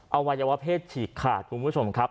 อวัยวะเพศฉีกขาดคุณผู้ชมครับ